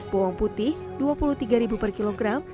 bawang putih rp dua puluh tiga per kilogram